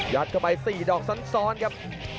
เข้าไป๔ดอกซ้อนครับ